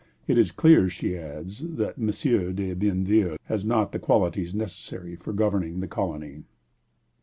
"It is clear," she adds, "that M. de Bienville has not the qualities necessary for governing the colony."